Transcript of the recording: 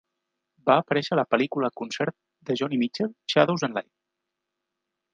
Va aparèixer a la pel·lícula concert de Joni Mitchell, "Shadows and Light":